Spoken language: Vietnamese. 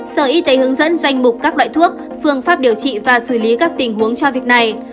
sở y tế hướng dẫn danh mục các loại thuốc phương pháp điều trị và xử lý các tình huống cho việc này